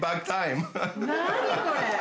何、これ。